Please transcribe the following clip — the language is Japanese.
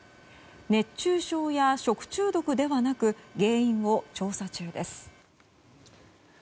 熱中症や食中毒ではなく原因を調査中です。